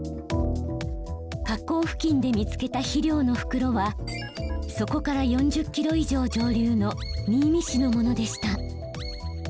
河口付近で見つけた肥料の袋はそこから４０キロ以上上流の新見市のものでした。